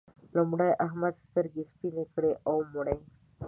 لومړی احمد سترګې سپينې کړې او ومړ.